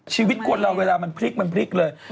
ชีวิตคนเราเวลามันพริกเลย